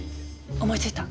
思いついた！